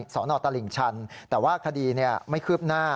สนตลิ่งชันแต่ว่าคดีไม่คืบหน้า